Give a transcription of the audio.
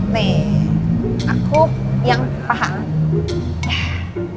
nih aku yang paham